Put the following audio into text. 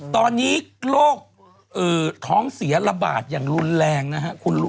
ตอนนี้โรคท้องเสียระบาดอย่างรุนแรงนะฮะ